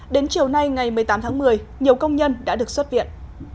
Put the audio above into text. đến chiều nay ngày một mươi tám tháng một mươi nhiều công nhân đã được xuất viện